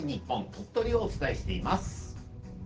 鳥取をお伝えしています。